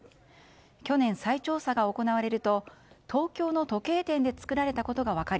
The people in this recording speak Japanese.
去年、再調査が行われると東京の時計店で作られたことが分かり